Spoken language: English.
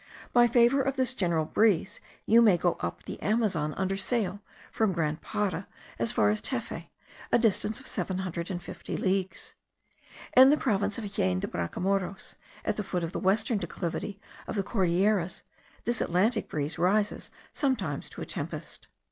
By favour of this general breeze you may go up the Amazon under sail, from Grand Para as far as Tefe, a distance of seven hundred and fifty leagues. In the province of Jaen de Bracamoros, at the foot of the western declivity of the Cordilleras, this Atlantic breeze rises sometimes to a tempest.